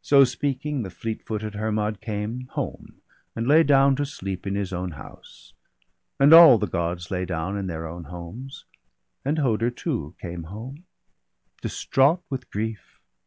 So speaking, the fleet footed Hermod came Home, and lay down to sleep in his own house; And all the Gods lay down in their own homes. And Hoder too came home, distraught with grief.